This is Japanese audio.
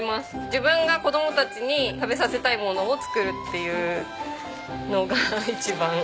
自分が子供たちに食べさせたいものを作るっていうのが一番。